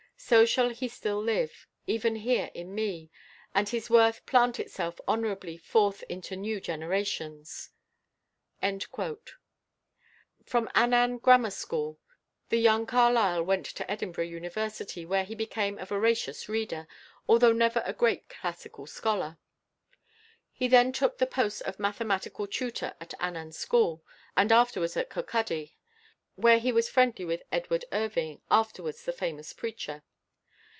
So shall he still live, even here in me, and his worth plant itself honourably forth into new generations." From Annan Grammar School the young Carlyle went to Edinburgh University, where he became a voracious reader, although never a great classical scholar. He then took the post of mathematical tutor at Annan school, and afterwards at Kirkcaldy, where he was friendly with Edward Irving, afterwards the famous preacher.